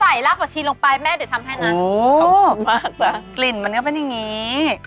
ไหนลากปัชชีลงไปแม่เดี๋ยวทำให้นะโอ้โฮขอบคุณมากละกลิ่นมันก็เป็นอย่างนี้